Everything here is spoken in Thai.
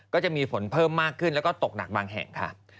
ก็จะมีฝนเพิ่มมากขึ้นแล้วก็ตกหนักบางแห่งค่ะ